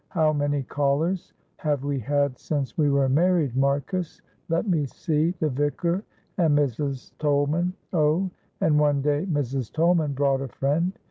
How many callers have we had since we were married, Marcus? let me see, the Vicar and Mrs. Tolman, oh, and one day Mrs. Tolman brought a friend.